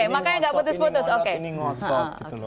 makanya nggak putus putus